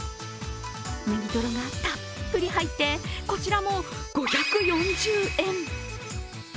ねぎトロがたっぷり入ってこちらも５４０円。